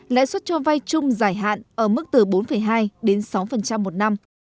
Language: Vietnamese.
lãi suất cho vay chung giải hạn ở mức từ bốn hai đến sáu một năm